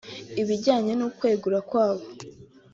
Ibijyanye n’ukwegura kwabo